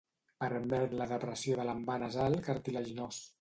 Permet la depressió de l'envà nasal cartilaginós.